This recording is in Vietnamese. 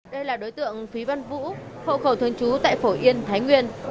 đây là đối tượng phí văn vũ hậu khẩu thương chú tại phổ yên thái nguyên